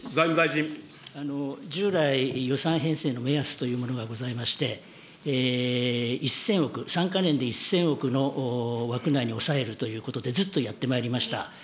従来、予算編成の目安というものがございまして、１０００億、３か年で１０００億の枠内に抑えるということで、ずっとやってまいりました。